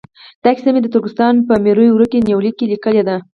دا کیسه مې د ترکستان په میرو ورکه یونلیک کې لیکلې ده.